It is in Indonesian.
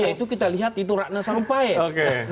itu kita lihat itu rakna sampaian